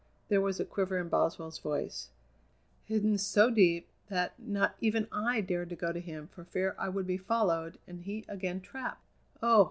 there was a quiver in Boswell's voice "hidden so deep that not even I dared to go to him for fear I would be followed and he again trapped! Oh!